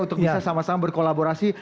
untuk bisa sama sama berkolaborasi